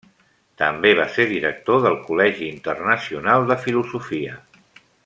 També va ser director del Col·legi Internacional de Filosofia.